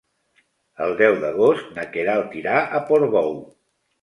El deu d'agost na Queralt irà a Portbou.